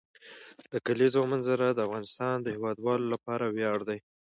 د کلیزو منظره د افغانستان د هیوادوالو لپاره ویاړ دی.